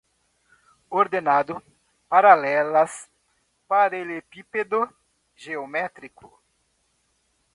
ordenado, paralelas, paralelepípedo, geométrico